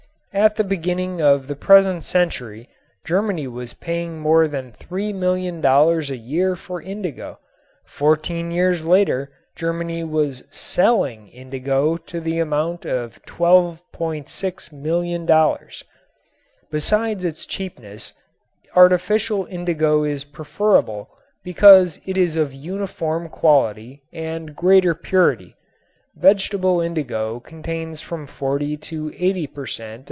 At the beginning of the present century Germany was paying more than $3,000,000 a year for indigo. Fourteen years later Germany was selling indigo to the amount of $12,600,000. Besides its cheapness, artificial indigo is preferable because it is of uniform quality and greater purity. Vegetable indigo contains from forty to eighty per cent.